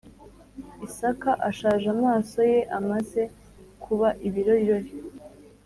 Isaka ashaje amaso ye amaze kuba ibirorirori